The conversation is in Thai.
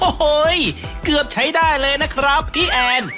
โอ้โหเกือบใช้ได้เลยนะครับพี่แอน